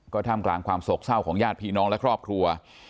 ก็ท่ามกลางความโศกเศร้าของญาติพี่น้องและครอบครัว